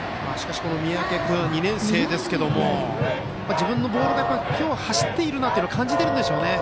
三宅君、２年生ですが自分のボールが今日走っているなと感じているんでしょうね。